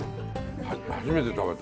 初めて食べた。